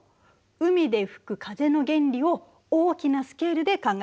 海で吹く風の原理を大きなスケールで考えるのよ。